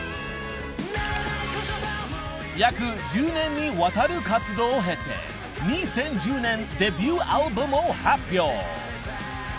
［約１０年にわたる活動を経て２０１０年デビューアルバムを発表］